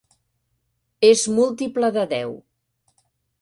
És múltiple de deu.